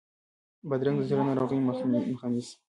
بادرنګ د زړه ناروغیو مخه نیسي.